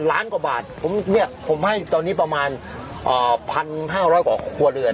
ล้านกว่าบาทผมเนี้ยผมให้ตอนนี้ประมาณอ่าพันห้าห้อยกว่าครัวเรือน